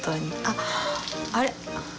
あっあれ？